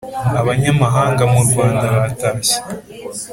abanyamahanga mu Rwanda batashye